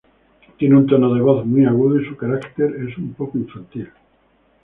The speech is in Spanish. Tiene un tono de voz muy agudo y su carácter es un poco infantil.